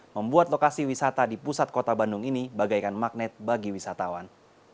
membuat lokasi wisata di pusat kota bandung ini bagaikan magnet bagi wisatawan